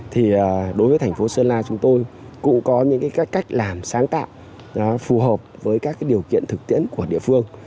thì đối với thành phố sơn la chúng tôi cũng có những cách làm sáng tạo phù hợp với các điều kiện thực tiễn của địa phương